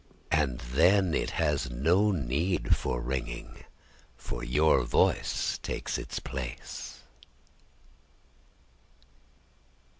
And then, it has no need for ringing, For your voice takes its place.